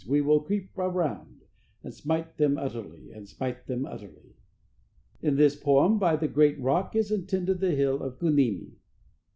We will creep around And smite them utterly, And smite them utterly." In this poem, by the "great rock" is intended the Hill of Kunimi.